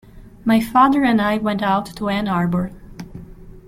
My father and I went out to Ann Arbor.